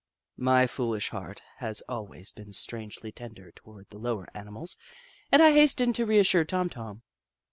My foolish heart has always been strangely tender toward the lower animals, and I hastened to reassure Tom Tom.